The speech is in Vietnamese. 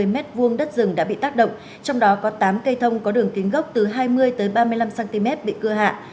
mét vuông đất rừng đã bị tác động trong đó có tám cây thông có đường kính gốc từ hai mươi ba mươi năm cm bị cưa hạ